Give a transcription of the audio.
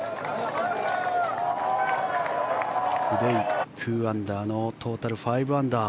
トゥデー２アンダーのトータル５アンダー。